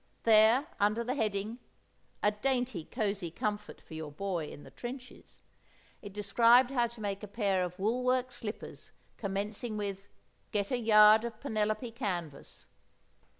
There, under the heading— "A DAINTY COSY COMFORT FOR YOUR BOY IN THE TRENCHES," it described how to make a pair of wool work slippers, commencing with "Get a yard of Penelope canvas."